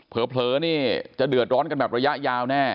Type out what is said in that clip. เผลอนี่จะเดือดร้อนกันแบบระยะยาวแน่